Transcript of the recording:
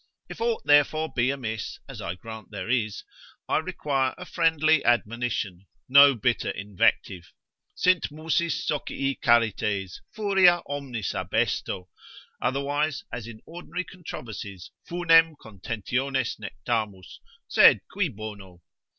If aught therefore be amiss (as I grant there is), I require a friendly admonition, no bitter invective, Sint musis socii Charites, Furia omnis abesto, otherwise, as in ordinary controversies, funem contentionis nectamus, sed cui bono?